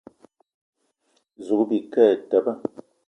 Zouga bike e teba.